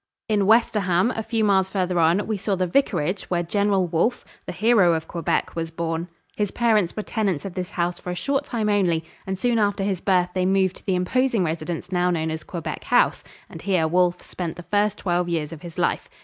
In Westerham, a few miles farther on, we saw the vicarage where Gen. Wolfe, the hero of Quebec, was born. His parents were tenants of this house for a short time only, and soon after his birth they moved to the imposing residence now known as Quebec House, and here Wolfe spent the first twelve years of his life.